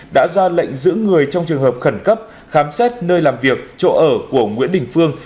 đã ra lệnh giữ người trong trường hợp khẩn cấp khám xét nơi làm việc chỗ ở của nguyễn đình phương